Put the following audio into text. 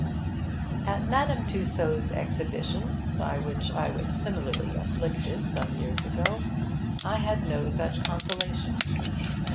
At Madame Tussaud's exhibition, by which I was similarly afflicted some years ago, I had no such consolation.